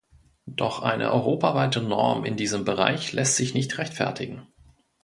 Doch eine europaweite Norm in diesem Bereich lässt sich nicht rechtfertigen.